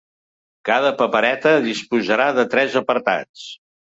Cada papereta disposarà de tres apartats.